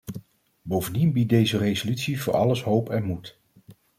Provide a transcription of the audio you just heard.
Bovendien biedt deze resolutie voor alles hoop en moed.